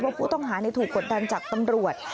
ผู้ต้องหาถูกกดดันจากตำรวจ